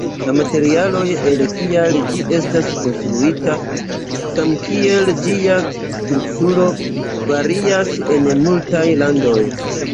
La materialoj el kiaj ĝi estas konstruita samkiel ĝia strukturo, varias en multaj landoj.